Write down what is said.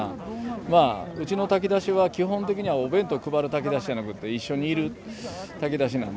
まあうちの炊き出しは基本的にはお弁当配る炊き出しじゃなくって一緒にいる炊き出しなんで。